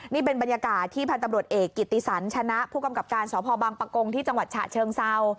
นี่เป็นบรรยากาศที่พันธุ์ตำรวจเอกกิติสันชนะผู้กำกับการสพบังปะกงที่จังหวัดฉะเชิงเซา